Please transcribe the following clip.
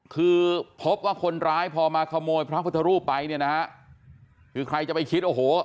คือพบว่าคนร้ายพอมาขโมยพระพุทธรูปไปเนี่ยนะฮะคือใครจะไปคิดโอ้โห